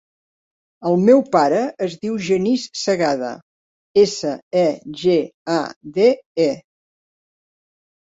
El meu pare es diu Genís Segade: essa, e, ge, a, de, e.